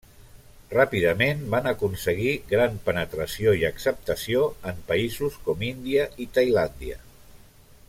Ràpidament van aconseguir gran penetració i acceptació en països com Índia i Tailàndia.